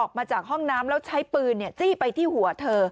ออกมาจากห้องน้ำแล้วใช้ปืนจี้ไปที่หัวเธอ